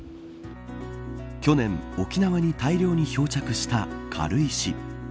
去年、沖縄に大量に漂着した軽石。